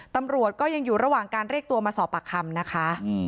ตำรวจก็ยังอยู่ระหว่างการเรียกตัวมาสอบปากคำนะคะ